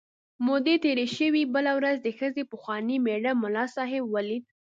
مودې تېرې شوې، بله ورځ د ښځې پخواني مېړه ملا صاحب ولید.